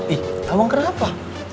ih abang kenapa